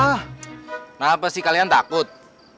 kenapa sih kalian takut